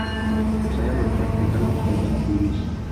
Saya mempraktikkan obat klinis.